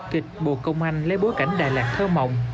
kịch bồ công anh lấy bối cảnh đài lạc thơ mộng